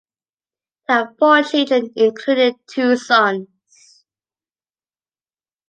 They had four children, including two sons.